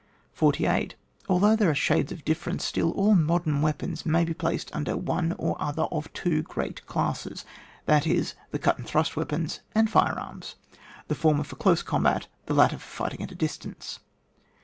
48. Although there are shades of difference, still all modem weapons may be placed under one or other of two great classes, that is, the cut and thrust weapons, and fire arms ; the former for dose combat, the latter for fighting at a distance.